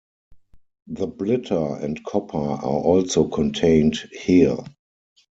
The Blitter and Copper are also contained here.